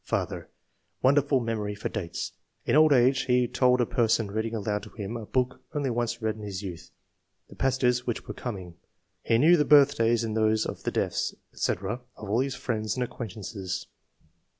" Father — Wonderful memory for dates ; in old age he told a person, reading aloud to him a book only once read in youth, the passages which were coming ; he knew the birthdays and those of the deaths, &c., of all his friends and acquaintances."